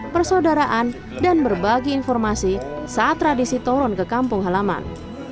persaudaraan dan berbagi informasi saat tradisi turun ke kampung halaman